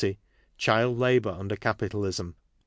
Child Labor under Capitalism.